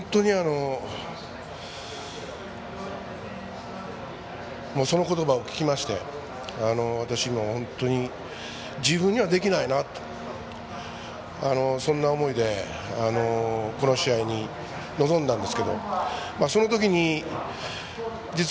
本当に、その言葉を聞きまして私、自分にはできないなそんな思いでこの試合に臨んだんですけど。